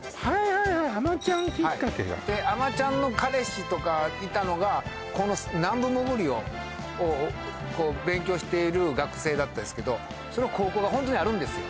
はいはい「あまちゃん」きっかけだであまちゃんの彼氏とかいたのがこの南部もぐりを勉強している学生だったですけどその高校が本当にあるんですよ